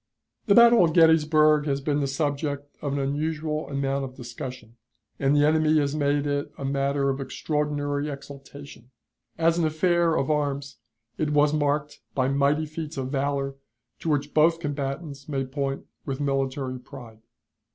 The Battle of Gettysburg has been the subject of an unusual amount of discussion, and the enemy has made it a matter of extraordinary exultation. As an affair of arms it was marked by mighty feats of valor to which both combatants may point with military pride.